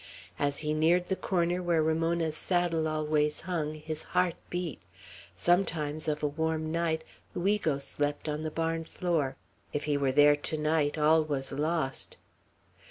As he neared the corner where Ramona's saddle always hung, his heart beat. Sometimes, of a warm night, Luigo slept on the barn floor. If he were there to night, all was lost.